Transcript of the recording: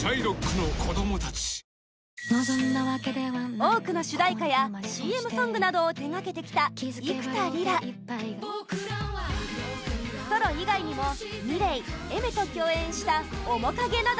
多くの主題歌や ＣＭ ソングなどを手掛けてきた幾田りらソロ以外にも、ｍｉｌｅｔＡｉｍｅｒ と共演した「おもかげ」など